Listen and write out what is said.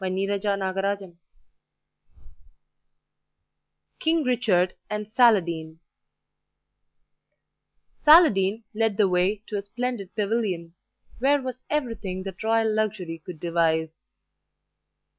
WILFRED CAMPBELL KING RICHARD AND SALADIN Saladin led the way to a splendid pavilion where was everything that royal luxury could devise.